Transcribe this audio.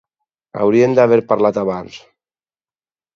Hauríeu d'haver parlat abans.